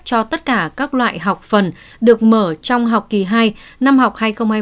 cho tất cả các loại học phần được mở trong học kỳ hai năm học hai nghìn hai mươi hai nghìn hai mươi một